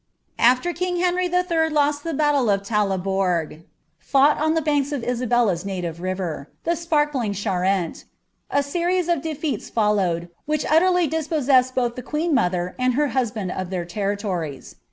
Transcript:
After king Henry III. lost the ^llle of Taifleboorg, fought on the hanks of Isabella's native river, the sparkling Charmt*, ■ series of defeats followed, which utterly dispossessed both the qarai mothcr and her husband of their territories.